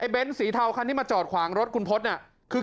เน้นสีเทาคันที่มาจอดขวางรถคุณพจน์คือ